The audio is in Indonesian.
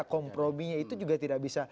komprominya itu juga tidak bisa